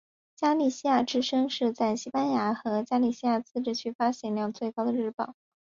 加利西亚之声是在西班牙加利西亚自治区发行量最高的日报。